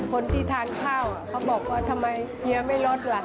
คนที่ทานข้าวเขาบอกว่าทำไมเฮียไม่ลดล่ะ